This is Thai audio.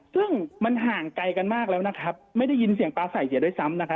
ซึ่งมันห่างไกลกันมากแล้วนะครับไม่ได้ยินเสียงปลาใส่เสียด้วยซ้ำนะคะ